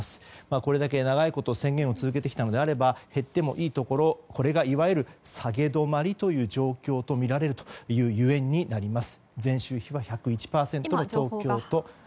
これだけ長いこと宣言を続けてきたのであれば減ってもいいところこれがいわゆる下げ止まりという状況とみられるゆえんになります。